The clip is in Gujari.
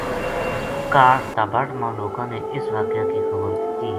کاہڈ تابٹ ما لوکاں نا اس واقعہ کی خبر دِتی